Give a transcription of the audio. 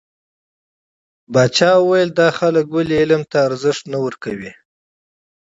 پاچا وويل: دا خلک ولې علم ته ارزښت نه ورکوي .